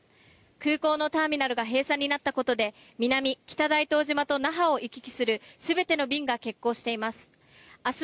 空港のターミナルが閉鎖になったことで南・北大東島と那覇を行き来する全ての便が欠航しています。